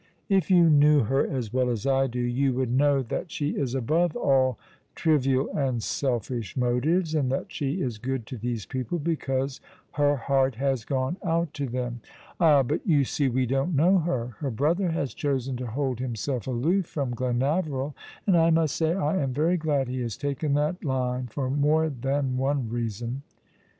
" If you knew her as well as I do you would know that she is above all trivial and selfish motives, and that she is good to these peoi3le because her heart has gone out to them." "Ah, but you see we don't know her. Her brother has chosen to hold himself aloof from Glenaveril ; and I must say I am very glad he has taken that line — for more than one reason."